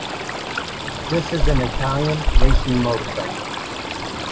This is an Italian racing motorcycle.